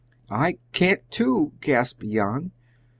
"I can't too!" gasped Jan.